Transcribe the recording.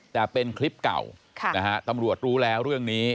แต่เป็นคลิปเก่านะฮะตำรวจรู้แล้วเรื่องนี้